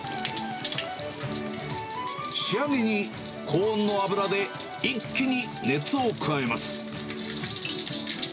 仕上げに、高温の油で一気に熱を加えます。